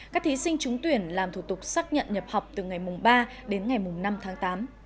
các thí sinh trúng tuyển làm thủ tục xác nhận nhập học từ ngày ba đến ngày năm tháng tám